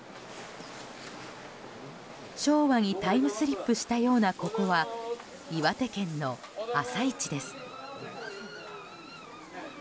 昭和にタイムスリップしたようなここは岩手県の朝市です。